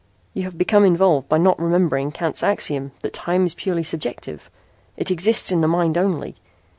You have become involved by not remembering Kant's axiom that time is purely subjective. It exists in the mind only.